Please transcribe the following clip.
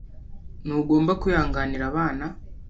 Ntugomba kwihanganira abana.